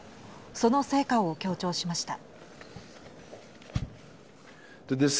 その成果を強調しました。